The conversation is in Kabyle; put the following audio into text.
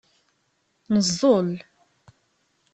Neẓẓul.